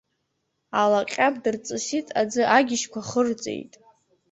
Алаҟьаб дырҵысит, аӡы агьежьқәа хырҵеит.